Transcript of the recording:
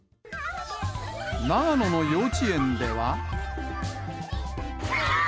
長野の幼稚園では。